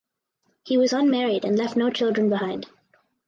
He was unmarried and left no children behind.